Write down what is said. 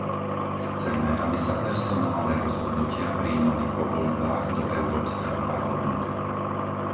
Chceme, aby sa personálne rozhodnutia prijímali po voľbách do Európskeho parlamentu.